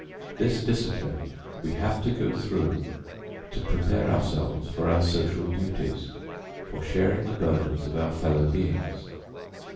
This discipline we have to go through to prepare ourselves for our social duties for sharing the burdens of our fellow beings.